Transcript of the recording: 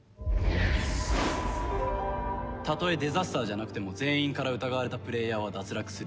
たとえデザスターじゃなくても全員から疑われたプレーヤーは脱落する。